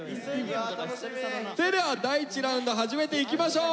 それでは第１ラウンド始めていきましょう。